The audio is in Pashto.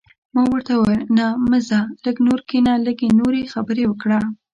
ما ورته وویل: نه، مه ځه، لږ نور کښېنه، لږ نورې خبرې وکړه.